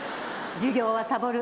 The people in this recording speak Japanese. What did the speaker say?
授業はサボる。